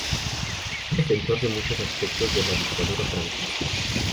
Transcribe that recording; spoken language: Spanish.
Fue defensor de muchos aspectos de la dictadura franquista.